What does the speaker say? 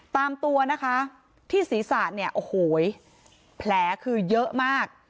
ตามตัวนะคะที่ศีรษะเนี่ยโอ้โหแผลคือเยอะมาก